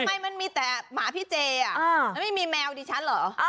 ทำไมมันมีแต่หมาพี่เจอ่ะมันไม่มีแมวดิฉันเหรอ